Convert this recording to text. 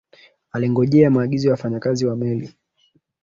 alingojea maagizo ya wafanyikazi wa meli